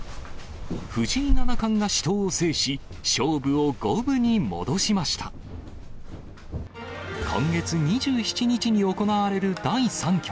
藤井七冠が死闘を制し、勝負を今月２７日に行われる第３局。